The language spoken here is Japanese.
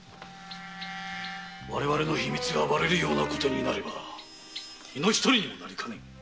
我々の秘密がバレるようなことになれば命取りにもなりかねん。